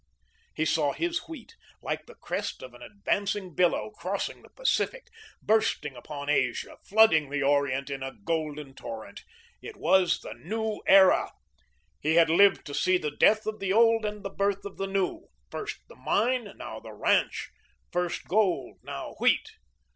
He saw his wheat, like the crest of an advancing billow, crossing the Pacific, bursting upon Asia, flooding the Orient in a golden torrent. It was the new era. He had lived to see the death of the old and the birth of the new; first the mine, now the ranch; first gold, now wheat.